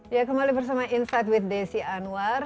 ya kembali bersama insight with desi anwar